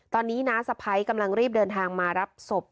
ตอนนี้น้าสะพ้ายกำลังรีบเดินทางมารับศพ